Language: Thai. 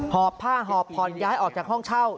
หอบผ้าหอบผ่อนย้ายออกจากห้องเช่า